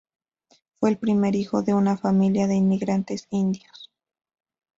Fue el primer hijo de una familia de inmigrantes indios.